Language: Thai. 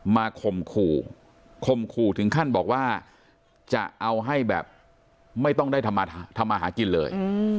ข่มขู่คมขู่ถึงขั้นบอกว่าจะเอาให้แบบไม่ต้องได้ทำมาหากินเลย